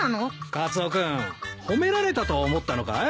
カツオ君褒められたと思ったのかい？